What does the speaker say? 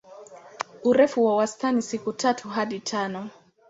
Urefu wa wastani siku tatu hadi tano.